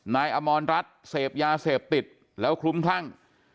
นายอมรรัฐเสพยาเสพติดแล้วคลุ้มคลั่ง